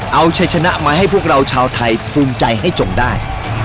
เอาชัยชนะมาให้พวกเราชาวไทยภูมิใจให้จงได้